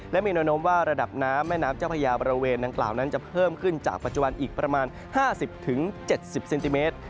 และมีแนวโน้มว่าระดับน้ำแม่น้ำเจ้าพญาบริเวณดังกล่าวนั้นจะเพิ่มขึ้นจากปัจจุบันอีกประมาณ๕๐๗๐เซนติเมตร